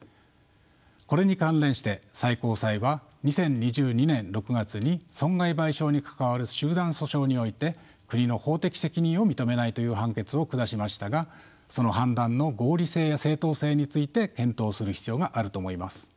これに関連して最高裁は２０２２年６月に損害賠償に関わる集団訴訟において国の法的責任を認めないという判決を下しましたがその判断の合理性や正当性について検討する必要があると思います。